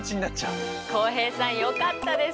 浩平さんよかったですね！